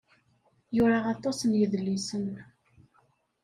Yura aṭas n yedlisen.